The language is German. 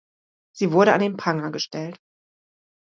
Sie wurde an den Pranger gestellt.